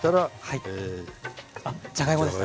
じゃがいもですかね。